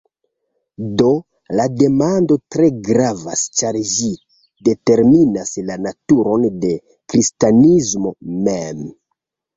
Do la demando tre gravas ĉar ĝi determinas la naturon de kristanismo mem.